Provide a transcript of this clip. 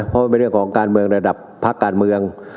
เพราะมันเป็นเรื่องของการเมืองระดับพักการเมือง